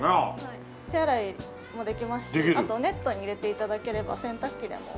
手洗いもできますしあとネットに入れて頂ければ洗濯機でも。